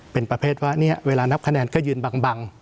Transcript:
เป็นประเภทว่าเนี่ยเวลานับคะแนนก็ยืนบัง